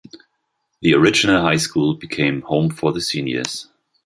The original high school became home for the seniors.